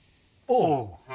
おう。